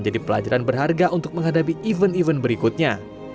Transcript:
pelajaran berharga untuk menghadapi event event berikutnya